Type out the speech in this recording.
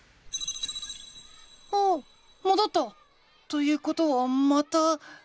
おおっもどった！ということはまた。